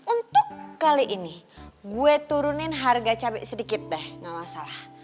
untuk kali ini gue turunin harga cabai sedikit deh nggak masalah